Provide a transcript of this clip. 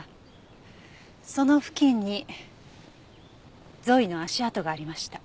その付近にゾイの足跡がありました。